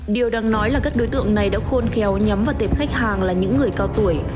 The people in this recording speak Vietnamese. điều đang nói là các đối tượng này đã khôn khéo nhắm vào tệp khách hàng là những người cao tuổi